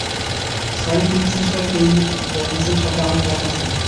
Sorry, Finch mister, কেইডেন্সের সাথে আমার প্ল্যান আছে।